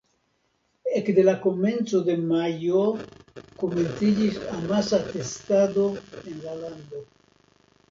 Ekde la komenco de majo komenciĝis amasa testado en la lando.